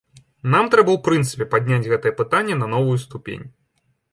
Нам трэба ў прынцыпе падняць гэтае пытанне на новую ступень.